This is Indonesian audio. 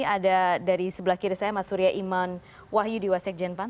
ada dari sebelah kiri saya mas surya iman wahyu di wasek jenpan